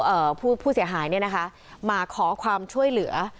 ผู้เสียหายเนี่ยนะคะมาขอความช่วยเหลือ